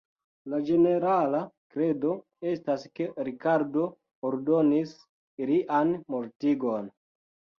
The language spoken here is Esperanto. La ĝenerala kredo estas ke Rikardo ordonis ilian mortigon.